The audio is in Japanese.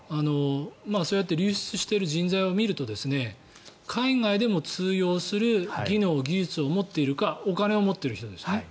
そうやって流出している人材を見ると海外でも通用する技能・技術を持っているかお金を持っている人ですね。